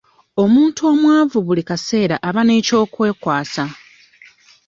Omuntu omwavu buli kaseera aba n'ekyokwekwasa.